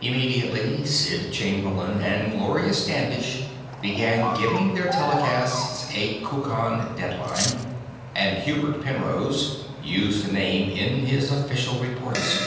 Immediately, Sid Chamberlain and Gloria Standish began giving their telecasts a Kukan dateline, and Hubert Penrose used the name in his official reports.